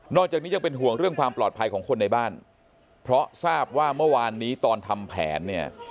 จากนี้ยังเป็นห่วงเรื่องความปลอดภัยของคนในบ้านเพราะทราบว่าเมื่อวานนี้ตอนทำแผนเนี่ย